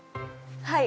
はい！